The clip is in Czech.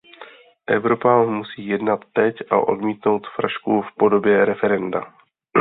Evropa musí jednat teď a odmítnout frašku v podobě referenda.